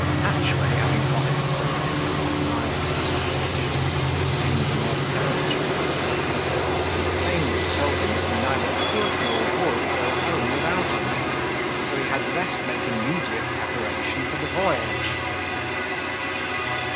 Hatchway, having profited so little by mild exhortations: assumed a more peremptory aspect, and plainly told him that he neither could nor would go home without him; so he had best make immediate preparation for the voyage.